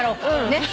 ねっ